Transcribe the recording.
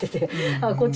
ああこっち